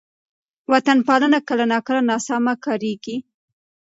وطن پالنه کله ناکله ناسمه کارېږي.